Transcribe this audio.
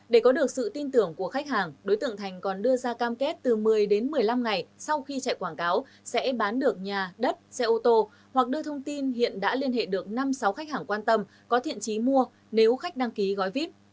để có được sự tin tưởng của khách hàng đối tượng thành còn đưa ra cam kết từ một mươi đến một mươi năm ngày sau khi chạy quảng cáo sẽ bán được nhà đất xe ô tô hoặc đưa thông tin hiện đã liên hệ được năm sáu khách hàng quan tâm có thiện trí mua nếu khách đăng ký gói vip